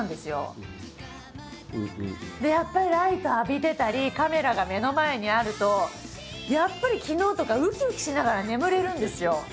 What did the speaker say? やっぱりライト浴びてたりカメラが目の前にあるとやっぱり昨日とかうきうきしながら眠れるんですよ。